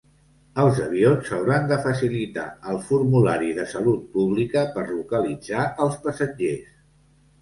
Els avions hauran de facilitar el formulari de salut pública per localitzar els passatgers.